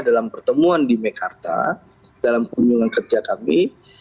dalam pertemuan di mekarta dalam kunjungan kerja kami